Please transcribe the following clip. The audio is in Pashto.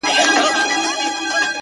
• د ژورو اوبو غېږ کي یې غوټې سوې ,